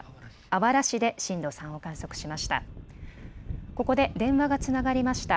あわら市で震度３を観測しました。